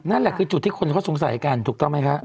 นั่นแหละคือจุดที่คนเขาสงสัยกันถูกต้องไหมครับ